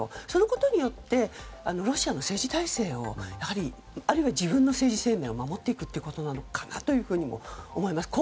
そのことによってロシアの政治体制をあるいは、自分の政治生命を守っていくということなのかなと思えます。